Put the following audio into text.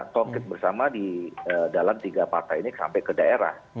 konkret bersama di dalam tiga partai ini sampai ke daerah